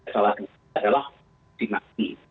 salah satu adalah sinasi